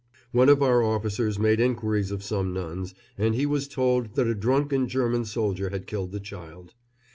One of our officers made inquiries of some nuns, and he was told that a drunken German soldier had killed the child.